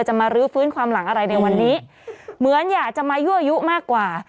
มารื้อฟื้นความหลังอะไรในวันนี้เหมือนอยากจะมายั่วยุมากกว่า